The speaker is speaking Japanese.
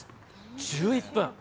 １１分。